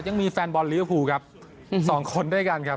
ยังมีแฟนบอลลิเวอร์ฟูครับสองคนด้วยกันครับ